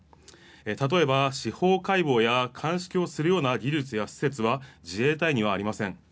例えば、司法解剖や鑑識をするような技術や施設は自衛隊にはありません。